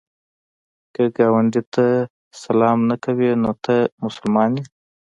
که ګاونډي ته سلام نه کوې، نو ته څه مسلمان یې؟